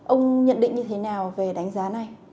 ông nhận định như thế nào về đánh giá này